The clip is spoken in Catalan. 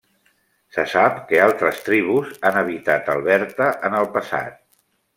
Se sap que altres tribus han habitat Alberta en el passat.